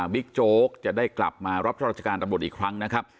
โจ๊กจะได้กลับมารับราชการตำรวจอีกครั้งนะครับ